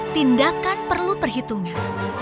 tindakan perlu perhitungan